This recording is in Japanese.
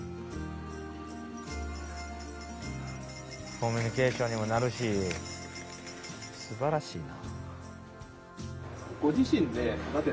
コミュニケーションにもなるしすばらしいな。